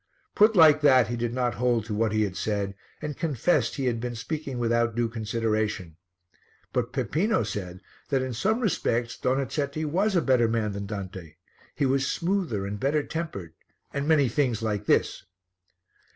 Put like that, he did not hold to what he had said and confessed he had been speaking without due consideration. But Peppino said that in some respects Donizetti was a better man than Dante; he was smoother and better tempered, "and many things like this."